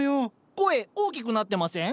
声大きくなってません？